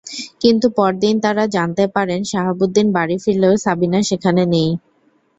কিন্তু পরদিন তাঁরা জানতে পারেন, শাহাবুদ্দিন বাড়ি ফিরলেও সাবিনা সেখানে নেই।